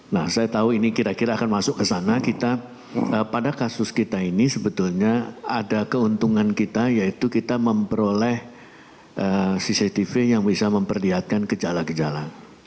nah saya tahu ini kira kira akan masuk ke sana kita pada kasus kita ini sebetulnya ada keuntungan kita yaitu kita memperoleh cctv yang bisa memperlihatkan gejala gejala